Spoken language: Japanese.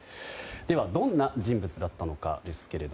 ではどんな人物だったのか。